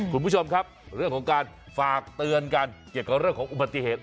คุณผู้ชมครับเรื่องของการฝากเตือนกันเกี่ยวกับเรื่องของอุบัติเหตุ